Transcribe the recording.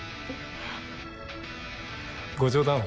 ご冗談を。